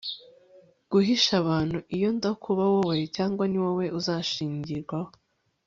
guhisha abantu iyo nza kuba wowe, cyangwa ni wowe uzashingirwaho